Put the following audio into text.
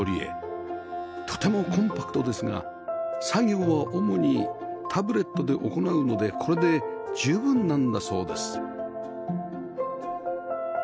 とてもコンパクトですが作業は主にタブレットで行うのでこれで十分なんだそうです